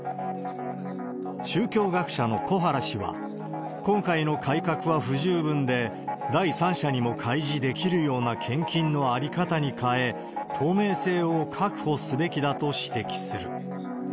宗教学者の小原氏は、今回の改革は不十分で、第三者にも開示できるような献金の在り方に変え、透明性を確保すべきだと指摘する。